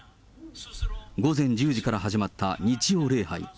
午前１０時から始まった日曜礼拝。